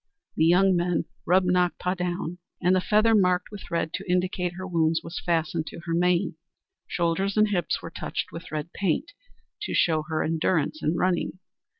The young men rubbed Nakpa down, and the feather, marked with red to indicate her wounds, was fastened to her mane. Shoulders and hips were touched with red paint to show her endurance in running.